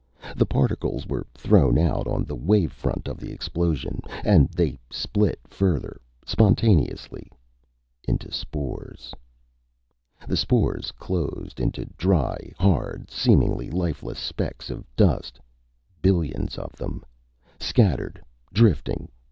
The particles were thrown out on the wave front of the explosion, and they split further, spontaneously. Into spores. The spores closed into dry, hard, seemingly lifeless specks of dust, billions of them, scattered, drifting.